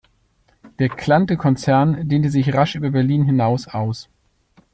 Der Klante-Konzern dehnte sich rasch über Berlin hinaus aus.